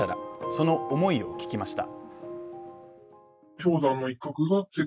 その思いを聞きました。